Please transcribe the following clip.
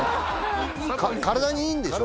体にいいんでしょ？